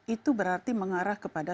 itu berarti mengarah kepada